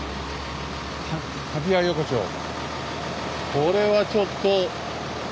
これはちょっと。